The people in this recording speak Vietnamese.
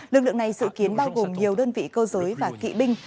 lực lượng này dự kiến bao gồm nhiều đơn vị cơ giới và kỵ binh